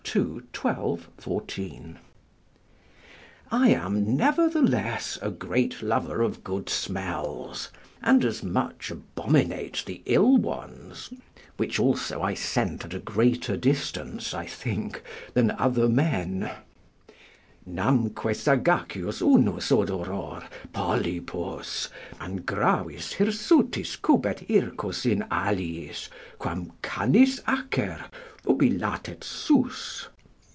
12, 14.] I am nevertheless a great lover of good smells, and as much abominate the ill ones, which also I scent at a greater distance, I think, than other men: "Namque sagacius unus odoror, Polypus, an gravis hirsutis cubet hircus in aliis Quam canis acer, ubi latest sus."